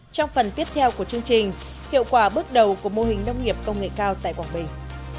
trong phần tiếp theo của chương trình hiệu quả bước đầu của mô hình nông nghiệp công nghệ cao tại quảng bình